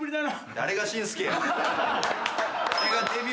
誰が紳助や。